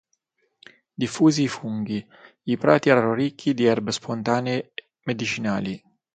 Diffusi i funghi; i prati erano ricchi di erbe spontanee medicinali.